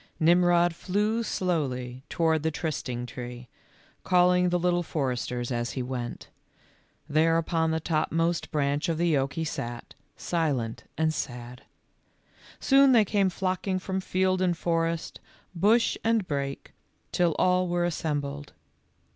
Nirnrod flew slowly toward the trysting tree, calling the Little Foresters as he went. There upon the topmost branch of the oak he sat, silent and sad. Soon they came flocking from field and forest, bush and brake, till all were assembled.